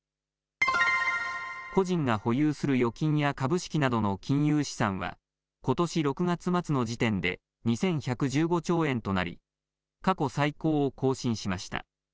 個人が保有する預金や株式などの金融資産はことし６月末の時点で２１１５兆円となり過去最高を更新しました。